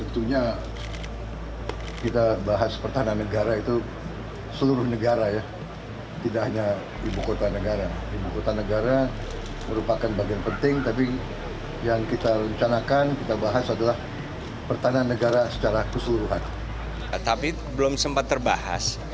tapi belum sempat terbahas